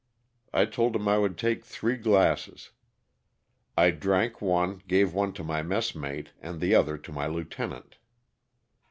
I told him I would take three glasses. I drank one, gave one to my messmate and the other to my lieutenant.